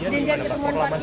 janjian ketubuh proklamasi